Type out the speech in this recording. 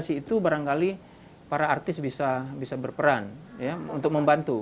komunikasi itu barangkali para artis bisa berperan untuk membantu